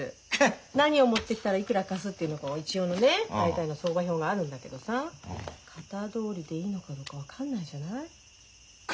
何を持ってきたらいくら貸すっていうのが一応のね大体の相場表があるんだけどさ型どおりでいいのかどうか分かんないじゃない？